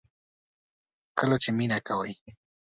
کله چې مینه کوئ